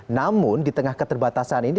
namun di tengah keterbatasan ini